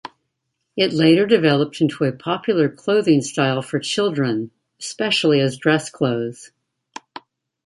It later developed into a popular clothing style for children, especially as dress clothes.